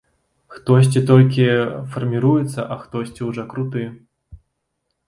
Хтосьці толькі фарміруецца, а хтосьці ўжо круты.